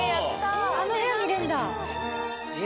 あの部屋見れるんだ。